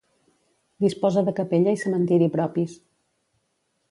Disposa de capella i cementiri propis.